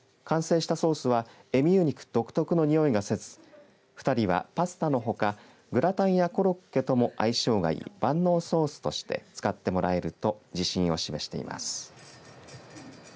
完成したソースはエミュー肉独特のにおいがせず２人は、パスタのほかグラタンやコロッケとも相性がいい万能ソースとして使ってもらえると自信を示しています。